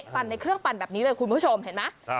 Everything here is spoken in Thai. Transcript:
ปั่นในเครื่องปั่นแบบนี้เลยคุณผู้ชมเห็นไหม